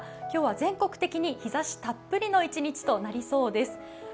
今日は全国的に日ざしたっぷりの一日となりそうです。